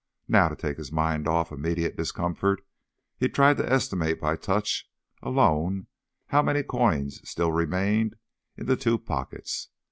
Now, to take his mind off immediate discomfort, he tried to estimate by touch alone how many coins still remained in the two pockets.